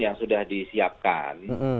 yang sudah disiapkan